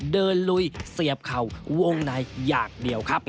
ลุยเสียบเข่าวงในอย่างเดียวครับ